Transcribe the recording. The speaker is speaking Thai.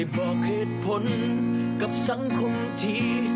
บอกเหตุผลกับสังคมที